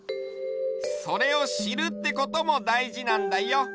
それをしるってこともだいじなんだよ。